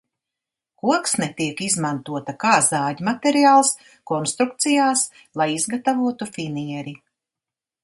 Koksne tiek izmantota kā zāģmateriāls, konstrukcijās, lai izgatavotu finieri.